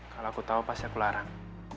kalau aku tahu pasti aku larang